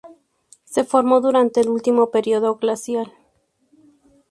Se formó durante el último período glacial.